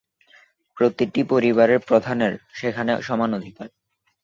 প্রতিটি পরিবারের প্রধানের সেখানে সমান অধিকার।